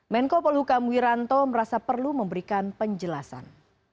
menko polhukam wiranto merasa perlu memberikan penjelasan